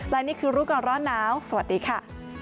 และนี่คือรู้ก่อนร้อนหนาวสวัสดีค่ะ